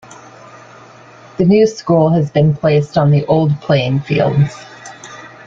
The new school has been placed on the old playing fields.